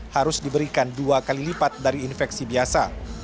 harus diberikan dua kali lipat dari infeksi biasa